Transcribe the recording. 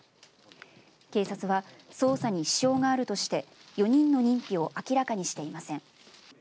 警察は捜査に支障があるとして４人の認否を明らかにしていません。